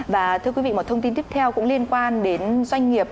và thưa quý vị một thông tin tiếp theo cũng liên quan đến doanh nghiệp